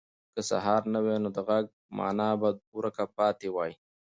که سهار نه وای، نو د غږ مانا به ورکه پاتې وای.